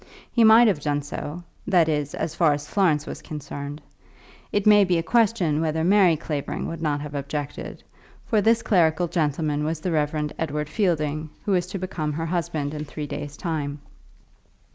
He might have done so that is, as far as Florence was concerned. It may be a question whether Mary Clavering would not have objected; for this clerical gentleman was the Rev. Edward Fielding, who was to become her husband in three days' time.